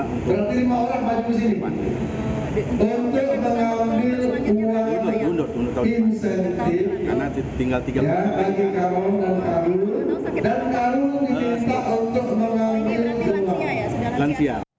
untuk mengambil uang insentif yang bagi karun dan karun dan karun dikisah untuk mengambil uang